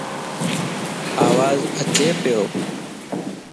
آواز اچي پيو؟